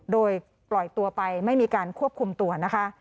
โดยปล่อยตัวไปไม่มีการควบคุมตัวนะคะ